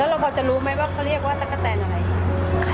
เราพอจะรู้ไหมว่าเขาเรียกว่าตะกะแตนอะไร